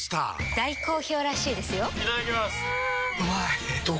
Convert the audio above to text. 大好評らしいですよんうまい！